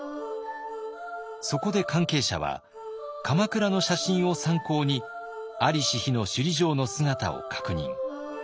そこで関係者は鎌倉の写真を参考に在りし日の首里城の姿を確認。